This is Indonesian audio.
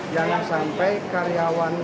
jangan sampai karyawan